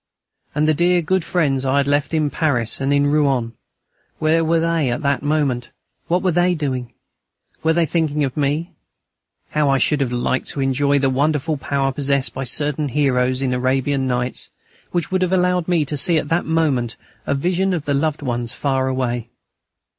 And the dear, good friends I had left in Paris and in Rouen where were they at that moment? What were they doing? Were they thinking of me? How I should have liked to enjoy the wonderful power possessed by certain heroes in the Arabian Nights, which would have allowed me to see at that moment a vision of the loved ones far away.